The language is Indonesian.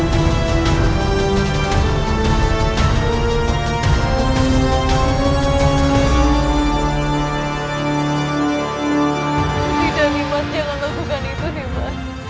tidak jangan lakukan itu liman